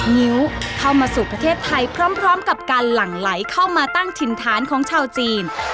งิ้วเข้ามาสู่ประเทศไทยพร้อมกับการหลั่งไหลเข้ามาตั้งถิ่นฐานของชาวจีน